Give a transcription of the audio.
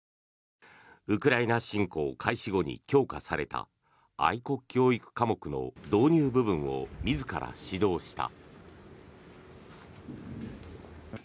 ウクライナ侵攻開始後に強化された愛国教育科目の導入部分を自ら指導した。